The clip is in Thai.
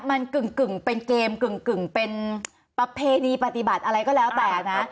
มันกึ่งเป็นเกมกึ่งเป็นประเพณีปฏิบัติอะไรก็แล้วแต่นะ